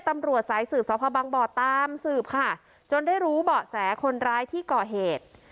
ตำรวจสายสืบสพบังบ่อตามสืบค่ะจนได้รู้เบาะแสคนร้ายที่ก่อเหตุ